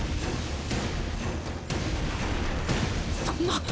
そんな！！